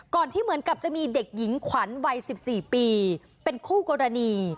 ที่เหมือนกับจะมีเด็กหญิงขวัญวัย๑๔ปีเป็นคู่กรณี